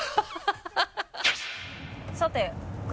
さて。